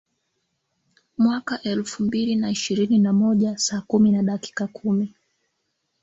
mwaka elfu mbili na ishirini na moja saa kumi na dakika kumi